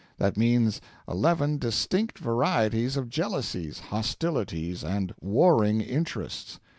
That means eleven distinct varieties of jealousies, hostilities, and warring interests.